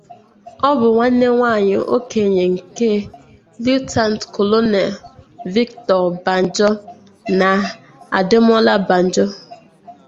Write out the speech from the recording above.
Ọ bụ nwanne nwanyị okenye nke Lieutenant Colonel Victor Banjo na Ademola Banjo.